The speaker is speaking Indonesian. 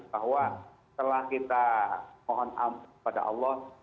bahwa setelah kita mohon ampun kepada allah